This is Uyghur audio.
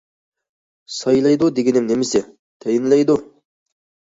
سايلايدۇ دېگىنىم نېمىسى، تەيىنلەيدۇ!